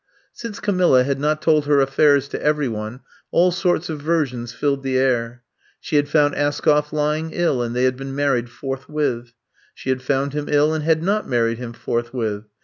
Since Camilla had not told her affairs to every one all sorts of versions filled the air. She had found Askoff lying ill and they had been married forthwith ; she had found him ill and had not married him forthwith.